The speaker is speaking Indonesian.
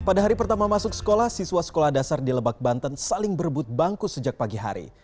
pada hari pertama masuk sekolah siswa sekolah dasar di lebak banten saling berebut bangku sejak pagi hari